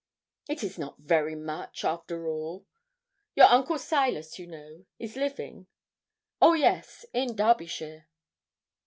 'It is not very much, after all. Your uncle Silas, you know, is living?' 'Oh yes, in Derbyshire.'